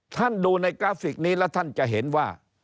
ท่านดูในกราฟิกนี้แล้วท่านจะเห็นว่า